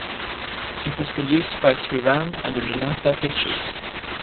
It was produced by Sriram under Janatha Pictures.